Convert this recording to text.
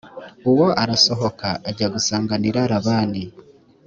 uwo arasohoka ajya gusanganirira labani